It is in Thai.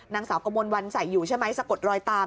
นางสาวกระมวลวันใส่อยู่ใช่ไหมสะกดรอยตาม